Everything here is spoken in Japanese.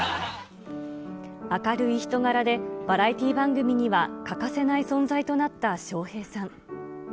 明るい人柄で、バラエティ番組には欠かせない存在となった笑瓶さん。